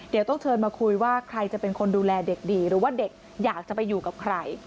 เดี๋ยวต้องเชิญมาคุยว่าใครจะเป็นคนดูแลเด็กดีหรือว่าเด็กอยากจะไปอยู่กับใคร